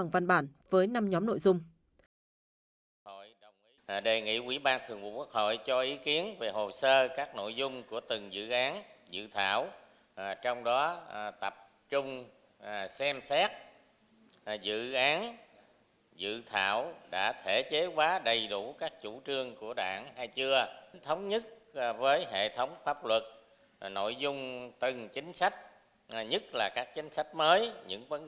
và cho ý kiến bằng văn bản với năm nhóm nội dung